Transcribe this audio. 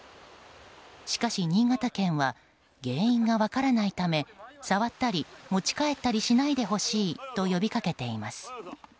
しかし新潟県は原因が分からないため触ったり持ち帰ったりしないでほしいと呼び掛けています。